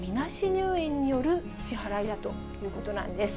入院による支払いだということなんです。